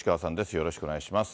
よろしくお願いします。